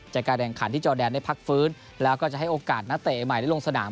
จากการแข่งขันที่จอแดนได้พักฟื้นแล้วก็จะให้โอกาสนักเตะใหม่ได้ลงสนาม